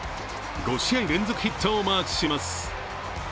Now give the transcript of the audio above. ５試合連続ヒットをマークします。